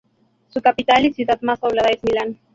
Su capital y ciudad más poblada es Milán.